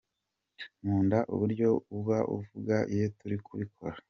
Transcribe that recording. Nkunda uburyo uba uvuga iyo turi kubikora .